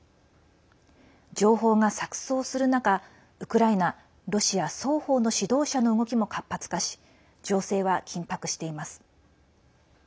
情報が錯そうする中ウクライナ、ロシア双方の指導者の動きも活発化し情勢は緊迫しています。